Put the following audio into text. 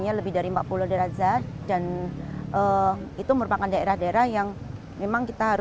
untuk memaksimalkan upaya pelestarian air pemerintah daerah pun melakukan pembelian air